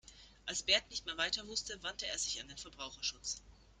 Als Bert nicht mehr weiter wusste, wandte er sich an den Verbraucherschutz.